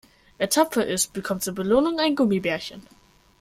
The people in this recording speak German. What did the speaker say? Wer tapfer ist, bekommt zur Belohnung ein Gummibärchen.